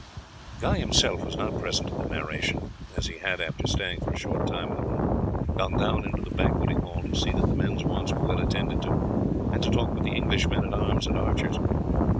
Guy himself was not present at the narration, as he had, after staying for a short time in the room, gone down into the banqueting hall to see that the men's wants were well attended to, and to talk with the English men at arms and archers.